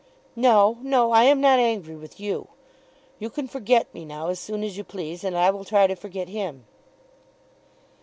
"No; no. I am not angry with you. You can forget me now as soon as you please, and I will try to forget him."